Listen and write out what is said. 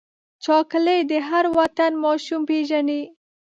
چاکلېټ د هر وطن ماشوم پیژني.